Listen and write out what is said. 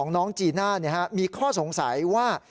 น้องจีน่ามีข้อสงสัยว่า